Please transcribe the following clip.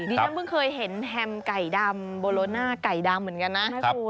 ฉันเพิ่งเคยเห็นแฮมไก่ดำโบโลน่าไก่ดำเหมือนกันนะคุณ